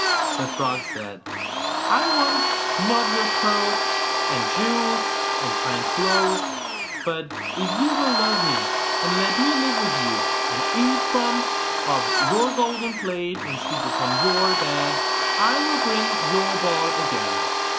The frog said, 'I want not your pearls, and jewels, and fine clothes; but if you will love me, and let me live with you and eat from off your golden plate, and sleep upon your bed, I will bring you your ball again.